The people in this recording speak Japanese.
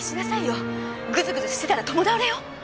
グズグズしてたら共倒れよ？